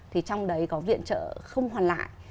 thì trong đấy có viện trợ không hoàn lại